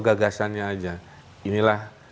gagasannya aja inilah